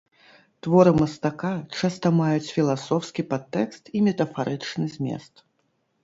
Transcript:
Творы мастака часта маюць філасофскі падтэкст і метафарычны змест.